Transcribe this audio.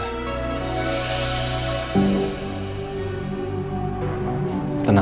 nino udah cerita ternyata